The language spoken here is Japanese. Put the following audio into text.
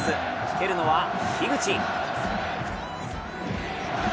蹴るのは、樋口。